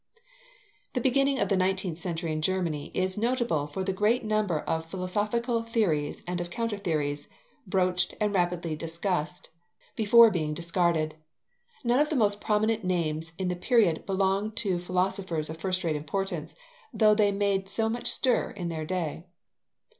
The beginning of the nineteenth century in Germany is notable for the great number of philosophical theories and of counter theories, broached and rapidly discussed, before being discarded. None of the most prominent names in the period belong to philosophers of first rate importance, though they made so much stir in their day.